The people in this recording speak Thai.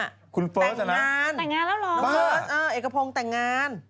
แต่งงานเอกกระโพงแต่งงาน